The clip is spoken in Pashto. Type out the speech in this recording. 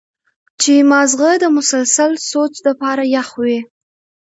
چې مازغه د مسلسل سوچ د پاره وېخ وي